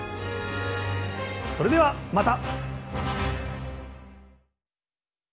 それではまた！